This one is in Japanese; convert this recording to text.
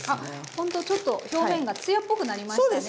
ほんとちょっと表面がつやっぽくなりましたね。